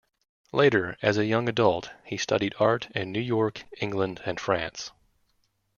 Later, as a young adult, he studied art in New York, England, and France.